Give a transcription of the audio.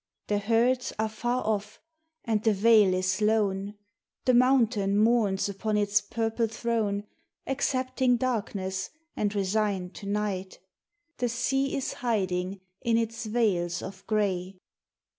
The herds are far off and the vale is lone ; The mountain mourns upon its purple throne Accepting darkness and resigned to night. The sea is hiding in its veils of grey.